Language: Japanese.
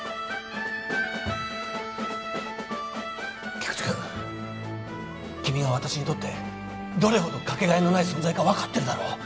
菊池君君が私にとってどれほどかけがえのない存在か分かってるだろ？